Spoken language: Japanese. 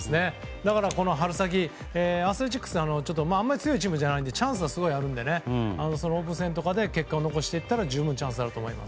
だから、この春先アスレチックスはあまり強いチームじゃないのでチャンスがあるのでオープン戦とかで結果を残していったら十分チャンスがあると思います。